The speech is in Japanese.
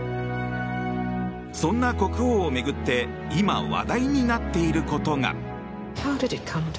そんな国王を巡って、今話題になっていることが。